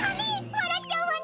笑っちゃうわね！